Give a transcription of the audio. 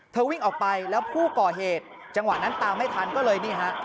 วิ่งออกไปแล้วผู้ก่อเหตุจังหวะนั้นตามไม่ทันก็เลยนี่ฮะ